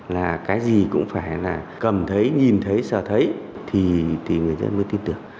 là cái gì cũng phải là cầm thấy nhìn thấy sợ thấy thì người dân mới tin tưởng